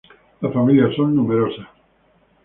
Las familias son numerosas.